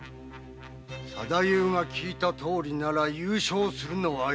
左太夫が聞いたとおりなら優勝するのは栄之進。